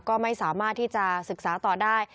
ก็ไม่สามารถที่จะศึกษาต่อได้